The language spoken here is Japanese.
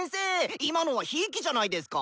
今のはひいきじゃないですか？